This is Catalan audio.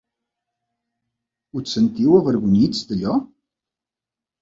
Us sentiu avergonyits d’allò?.